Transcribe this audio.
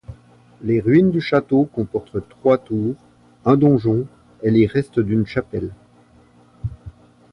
Les ruines du château comportent trois tours, un donjon et les restes d'une chapelle.